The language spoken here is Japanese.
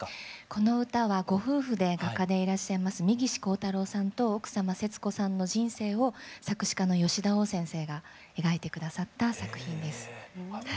この歌はご夫婦で画家でいらっしゃいます三岸好太郎さんと奥様節子さんの人生を作詞家の吉田旺先生がえがいて下さった作品です。